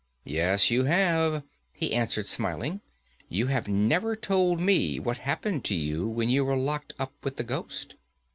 "Yes, you have," he answered, smiling, "you have never told me what happened to you when you were locked up with the ghost."